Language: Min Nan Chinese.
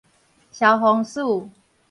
消防署